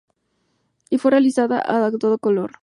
Y fue realizada a todo color.